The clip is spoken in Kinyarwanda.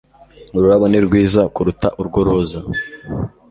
Ururabo ni rwiza kuruta urwo roza